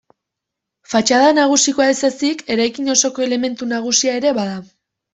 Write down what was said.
Fatxada nagusikoa ez ezik, eraikin osoko elementu nagusia ere bada.